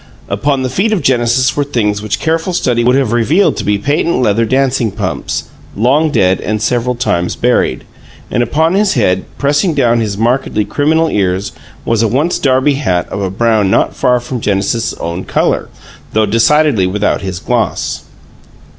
Upon the feet of Genesis were things which careful study would have revealed to be patent leather dancing pumps, long dead and several times buried; and upon his head, pressing down his markedly criminal ears, was a once derby hat of a brown not far from Genesis's own color, though decidedly without his gloss.